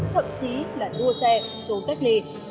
thậm chí là đua xe trốn tết lệ